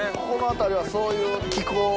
この辺りはそういう気候。